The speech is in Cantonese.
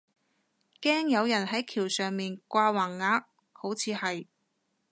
驚有人係橋上面掛橫額，好似係